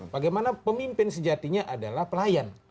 bagaimana pemimpin sejatinya adalah pelayan